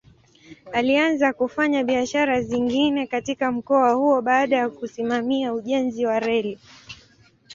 Alianza kufanya biashara zingine katika mkoa huo baada ya kusimamia ujenzi wa reli.